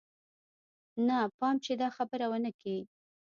نه پام چې دا خبره ونه کې.